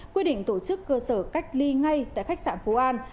quy định tổ chức cơ sở cách ly ngay tại khách sạn phú an